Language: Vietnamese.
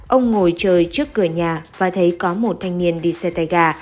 ông ngồi chờ trước cửa nhà và thấy có một thanh niên đi xe tay gà